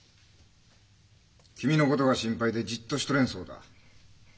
君のことが心配でじっとしとれんそうだ。